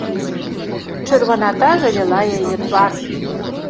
Чырваната заліла яе твар.